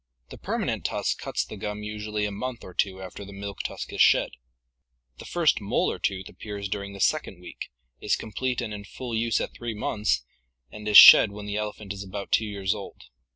The permanent tusk cuts the gum usually a month or two after the milk tusk is shed. The first molar tooth appears during the second week, is complete and in full use at three months, and is shed when the elephant is about two years old.